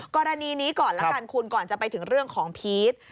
กรณีนี้ก่อนละกันคุณก่อนจะไปถึงเรื่องของพีช